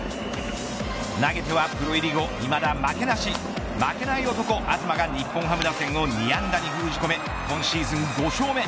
投げてはプロ入り後、いまだ負けなし負けない男、東が日本ハム打線を２安打に封じ込め今シーズン５勝目。